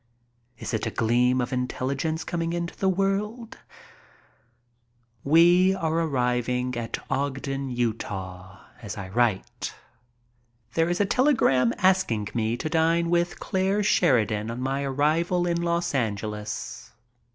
Is it a gleam of intelligence coming into the world ? We are arriving at Ogden, Utah, as I write. There is a telegram asking me to dine with Clare Sheridan on my arrival in Los Angeles.